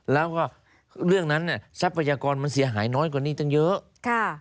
แล้วก็เรื่องนั้นเนี่ยทรัพยากรมันเสียหายน้อยกว่านี้ตั้งเยอะ